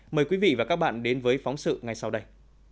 mời quý vị và các bạn đến với phóng sự ngay sau đây